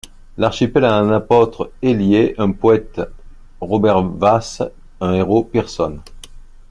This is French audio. L’archipel a un apôtre Hélier, un poëte, Robert Wace, un héros, Pierson.